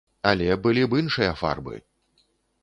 Але былі б іншыя фарбы.